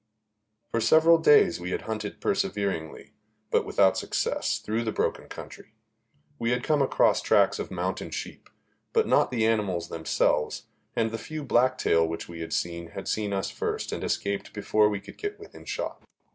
For several days we had hunted perseveringly, but without success, through the broken country. We had come across tracks of mountain sheep, but not the animals themselves, and the few blacktail which we had seen had seen us first and escaped before we could get within shot.